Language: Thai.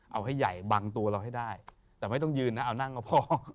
เอาให้ใหญ่บังตัวเราให้ได้แต่ไม่ต้องยืนนะเอานั่งกับพ่อ